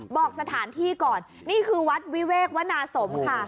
บอกสถานที่ก่อนนี่คือวัดวิเวกวนาสมค่ะ